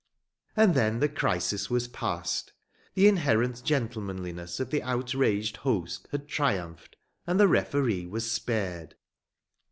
And then the crisis was past. The inherent gentlemanliness of the outraged host had triumphed and the referee was spared.